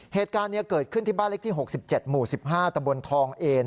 เหตุการณ์นี้เกิดขึ้นที่บ้านเล็กที่๖๗หมู่๑๕ตะบนทองเอน